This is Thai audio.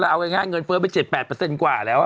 เอาง่ายเงินเฟ้อไป๗๘กว่าแล้ว